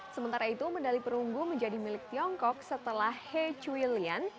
sementara itu medali perunggu menjadi milik tiongkok setelah he chui lian